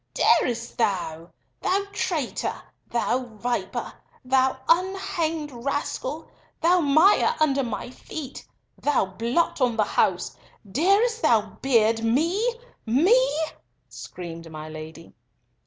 "Darest thou! Thou traitor, thou viper, thou unhanged rascal, thou mire under my feet, thou blot on the house! Darest thou beard me—me?" screamed my Lady.